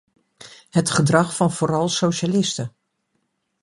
Het gedrag van vooral socialisten.